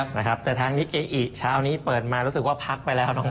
นะครับแต่ทางนิเกอิเช้านี้เปิดมารู้สึกว่าพักไปแล้วน้อง